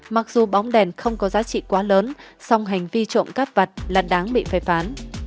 mặc dù bóng đèn không có giá trị quá lớn song hành vi trộm các vật là đáng bị phải phán